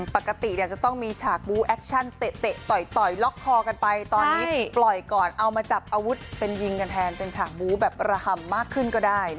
ปกติจะต้องมีฉากบูแอคชั่นเตะต่อยล็อกคอกันไปตอนนี้ปล่อยก่อนเอามาจับอาวุธเป็นยิงกันแทนเป็นฉากบู้แบบระห่ำมากขึ้นก็ได้